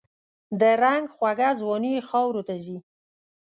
د رنګ خوږه ځواني یې خاوروته ځي